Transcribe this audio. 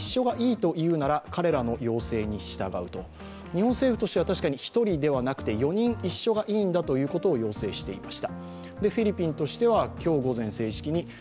日本政府としては確かに１人ではなくて４人一緒がいいんだと要請していました。